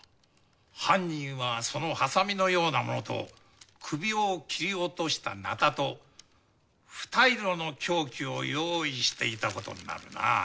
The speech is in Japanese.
犯人はそのハサミのようなものと首を切り落とした鉈とふたいろの凶器を用意していたことになるなぁ。